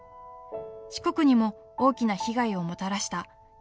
四国にも大きな被害をもたらした「西日本豪雨」。